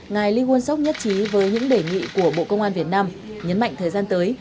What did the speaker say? ngài lý huân sóc nhất trí với những đề nghị của bộ công an việt nam nhấn mạnh thời gian tới